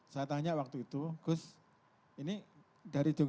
saya tanya waktu itu gus ini dari jogja